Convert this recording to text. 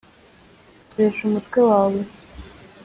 koresha umutwe wawe;